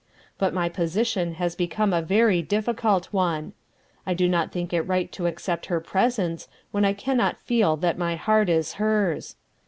But my position has become a very difficult one. I do not think it right to accept her presents when I cannot feel that my heart is hers.